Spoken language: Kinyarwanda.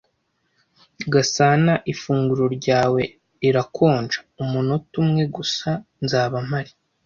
"Gasana, ifunguro ryawe rirakonja." "Umunota umwe gusa. Nzaba mpari."